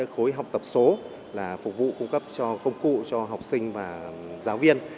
khối học tập số là phục vụ cung cấp cho công cụ cho học sinh và giáo viên